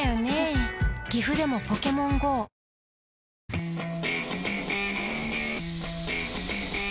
プシューッ！